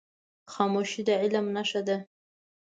خاموشي، د علم نښه ده.